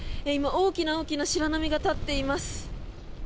大きな大きな白波が立っています。